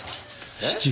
えっ？